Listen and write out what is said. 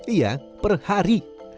iya per hari